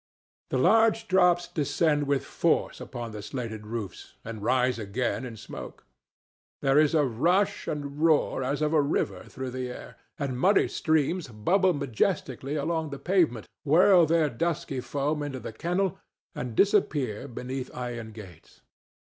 The large drops descend with force upon the slated roofs and rise again in smoke. There is a rush and roar as of a river through the air, and muddy streams bubble majestically along the pavement, whirl their dusky foam into the kennel, and disappear beneath iron grates.